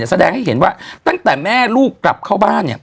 แสดงให้เห็นว่าตั้งแต่แม่ลูกกลับเข้าบ้านเนี่ย